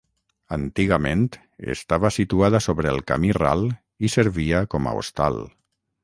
Antigament estava situada sobre el Camí Ral i servia com a hostal.